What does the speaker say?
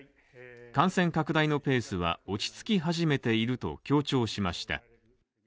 感染拡大のペースは落ち着き始めていると強調しました。